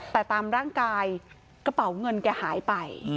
แต่ตามร่างกายกระเป๋าเงินแกหายไป